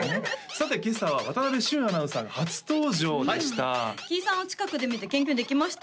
さて今朝は渡部峻アナウンサーが初登場でしたキイさんを近くで見て研究できました？